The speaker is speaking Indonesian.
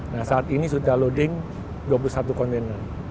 nah saat ini sudah loading dua puluh satu kontainer